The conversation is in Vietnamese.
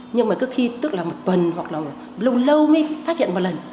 nhưng mà cứ khi tức là một tuần hoặc là lâu lâu mới phát hiện một lần